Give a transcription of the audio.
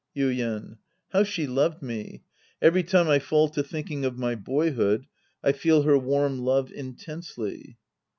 Yuien. How she loved me ! Every time I fall to thinking of my boyhood, I feel her warm love in tensely.